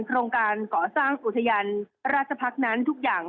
โครงการก่อสร้างอุทยานราชพักษ์นั้นทุกอย่าง